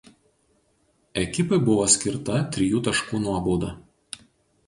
Ekipai buvo skirta trijų taškų nuobauda.